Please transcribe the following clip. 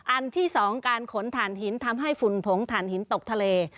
อันที่๒การขนถ่านหินทำให้ฝุ่นผงถ่านหินตกทะเล